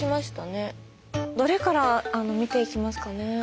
どれから見ていきますかね。